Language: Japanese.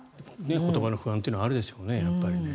言葉の不安はあるでしょうね。